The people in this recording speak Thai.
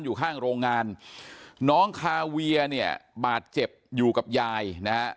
อยู่ข้างโรงงานน้องคาเวียเนี่ยบาดเจ็บอยู่กับยายนะฮะ